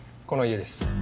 この家です。